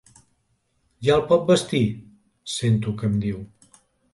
Ja el pot vestir —sento que em diu.